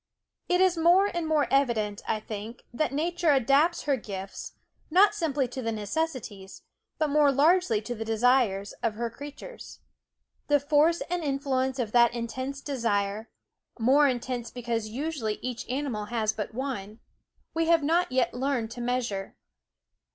It is more and more evident, I think, that \ Nature adapts her gifts, not simply to the necessities, but more largely to the desires, Q k er crea Ures> T h e force and influence of that intense desire more intense because THE WOODS usually each animal has but one we have >.,., uhen You Meet not yet learned to measure.